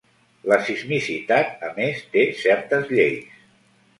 La sismicitat, a més, té certes lleis.